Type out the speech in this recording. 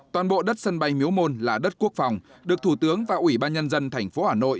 toàn bộ đất sân bay miếu môn là đất quốc phòng được thủ tướng và ủy ban nhân dân thành phố hà nội